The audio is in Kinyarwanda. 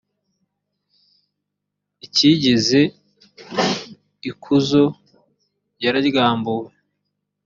icyigeze ikuzo cyararyambuwe